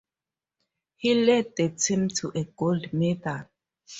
He led the team to a gold medal.